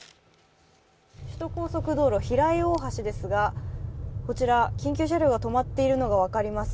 首都高速道路ですがこちら、緊急車両が止まっているのが分かります。